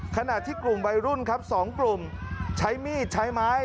ขณะที่กลุ่มวัยรุ่นครับ๒กลุ่มใช้มีดใช้ไม้